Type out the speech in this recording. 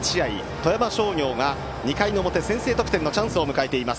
富山商業が２回の表、先制得点のチャンスを迎えています。